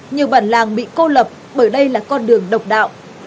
nhiều bản làng bị cô lập bởi đây là con đường độc đạo